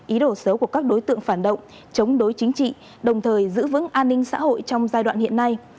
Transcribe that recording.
ý đồ xấu của các đối tượng phản động chống đối chính trị đồng thời giữ vững an ninh xã hội trong giai đoạn hiện nay